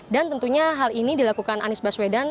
dan tentunya hal ini dilakukan anies baswedan